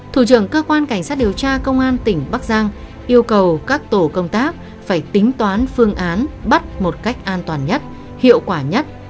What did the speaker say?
thủ trưởng cơ quan cảnh sát điều tra công an tỉnh bắc giang yêu cầu các tổ công tác phải tính toán phương án bắt một cách an toàn nhất hiệu quả nhất